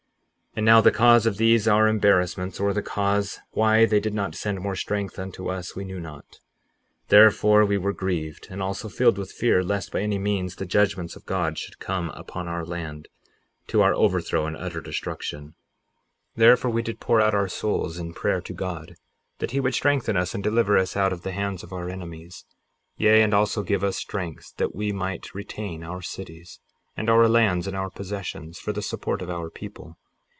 58:9 And now the cause of these our embarrassments, or the cause why they did not send more strength unto us, we knew not; therefore we were grieved and also filled with fear, lest by any means the judgments of God should come upon our land, to our overthrow and utter destruction. 58:10 Therefore we did pour out our souls in prayer to God, that he would strengthen us and deliver us out of the hands of our enemies, yea, and also give us strength that we might retain our cities, and our lands, and our possessions, for the support of our people.